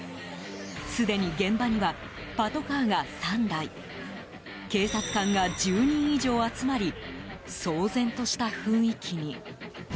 すでに現場には、パトカーが３台警察官が１０人以上集まり騒然とした雰囲気に。